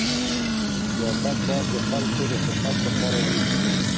سياست بايد د خلګو د خدمت لپاره وي.